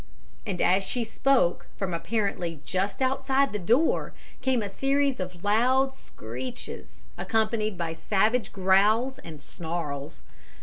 And as she spoke, from apparently just outside the door, came a series of loud screeches, accompanied by savage growls and snarls.